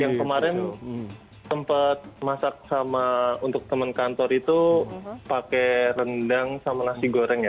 yang kemarin tempat masak sama untuk teman kantor itu pakai rendang sama nasi goreng ya